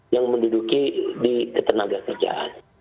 yang menduduki di ketenaga kerjaan